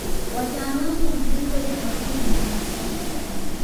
Wataalamu wa viumbe vya majini wanasema kuwa